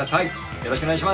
よろしくお願いします。